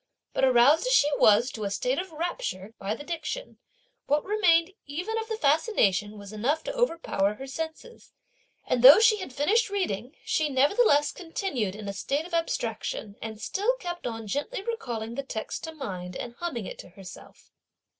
But aroused as she was to a state of rapture by the diction, what remained even of the fascination was enough to overpower her senses; and though she had finished reading, she nevertheless continued in a state of abstraction, and still kept on gently recalling the text to mind, and humming it to herself.